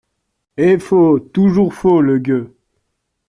Et faux ! toujours faux ! le gueux !